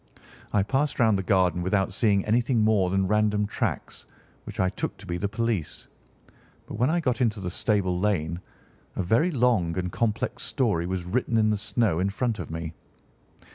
I passed round the garden without seeing anything more than random tracks, which I took to be the police; but when I got into the stable lane a very long and complex story was written in the snow in front of me.